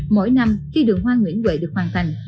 mỗi năm khi đường hoa nguyễn huệ được hoàn thành